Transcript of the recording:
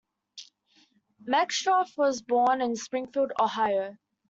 Meckstroth was born in Springfield, Ohio.